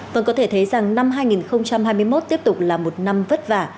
vâng có thể thấy rằng năm hai nghìn hai mươi một tiếp tục là một năm vất vả